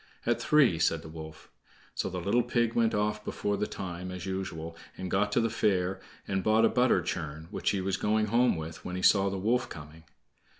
"At three," said the wolf. So the little pig went off before the time, as usual, and got to the fair, and bought a butter churn, which he was going home with when he saw the wolf coming.